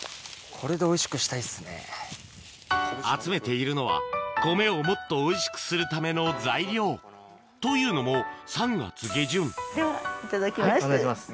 ・これの・集めているのは米をもっとおいしくするための材料というのも３月下旬ではいただきます。